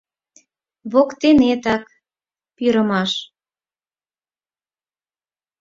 Воктенетак — пӱрымаш».